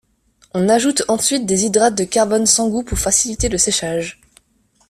On ajoute ensuite des hydrates de carbone sans goût pour faciliter le séchage.